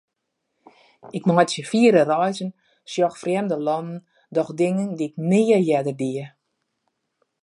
Ik meitsje fiere reizen, sjoch frjemde lannen, doch dingen dy'k nea earder die.